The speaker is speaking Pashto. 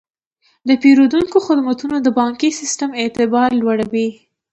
د پیرودونکو خدمتونه د بانکي سیستم اعتبار لوړوي.